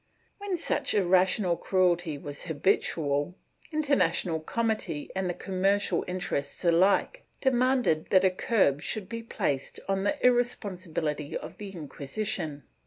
^ When such irrational cruelty was habitual, international comity and commercial interests alike demanded that a curb should be placed on the irresponsibility of the Inquisition.